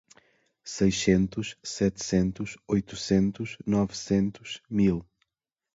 seiscentos, setecentos, oitocentos, novecentos, mil.